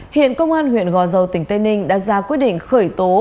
hiện công an huyện gò dầu tỉnh tây ninh đã ra quyết định khởi tố